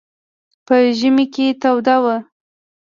په ژمي کې توده وه.